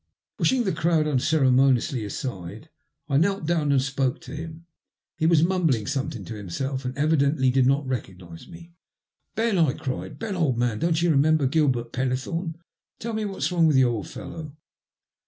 Pushing the crowd unceremoniously aside, I knelt down and spoke to him. He was mumbling some thing to himself and evidently did not recognise me. "Ben," I cried, " Ben, old man, don't you remem ber Gilbert Pennethome ? Tell me what's wrong with you, old fellow."